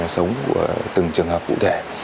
sống của từng trường hợp cụ thể